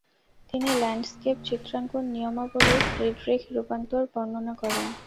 তিনি ল্যান্ডস্কেপ চিত্রাঙ্কন নিয়মাবলীর ফ্রিডরিখ-রূপান্তর বর্ণনা করেন।